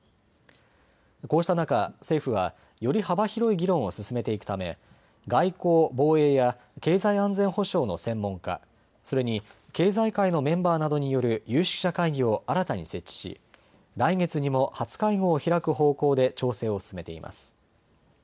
こうした中、政府はより幅広い議論を進めていくため外交・防衛や経済安全保障の専門家、それに経済界のメンバーなどによる有識者会議を新たに設置し来月にも初会合を開く方向で調整を進めています。